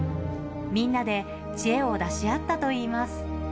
みんなで知恵を出し合ったといいます。